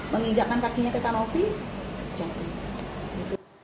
menginjakkan kakinya ke kanopi jatuh